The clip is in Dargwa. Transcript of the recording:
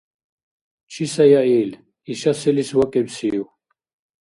Чи сая ил? Иша селис вакӀибсив?